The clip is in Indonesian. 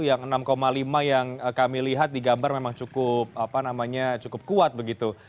yang enam lima yang kami lihat di gambar memang cukup kuat begitu